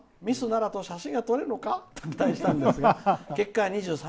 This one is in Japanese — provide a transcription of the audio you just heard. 奈良と写真が撮れるのかと期待したんですが結果２３ｍ」